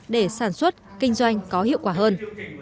để sản xuất kinh doanh có hiệu quả hơn